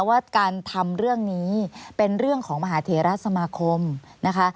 ว่าการทำเรื่องนี้เป็นเรื่องของมหาเทราสมาคมนะคะ